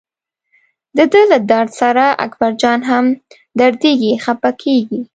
دده له درد سره اکبرجان هم دردېږي خپه کېږي.